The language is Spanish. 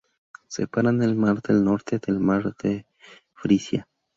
Separan el mar del Norte del mar de Frisia.